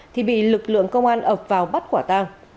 thì bị lực lượng công an ập vào bắt quả tang